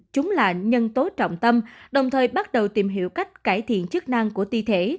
chúng là nhân tố trọng tâm đồng thời bắt đầu tìm hiểu cách cải thiện chức năng của thi thể